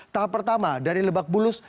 tahap pertama dari lebak bulus